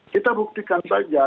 kita buktikan saja